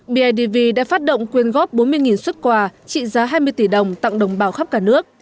bidv đã phát động quyên góp bốn mươi xuất quà trị giá hai mươi tỷ đồng tặng đồng bào khắp cả nước